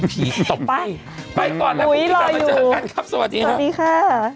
สวัสดีค่ะ